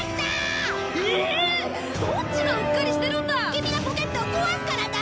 キミがポケットを壊すからだろ！